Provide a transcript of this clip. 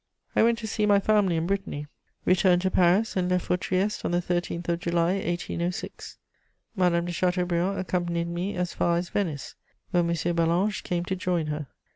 I went to see my family in Brittany, returned to Paris, and left for Trieste on the 13th of July 1806; Madame de Chateaubriand accompanied me as far as Venice, where M. Ballanche came to join her.